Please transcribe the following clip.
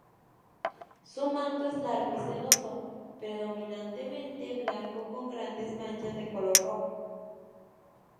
Su manto es largo y sedoso, predominantemente blanco con grandes manchas de color rojo.